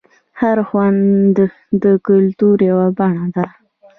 هر خوند د کلتور یوه بڼه ده.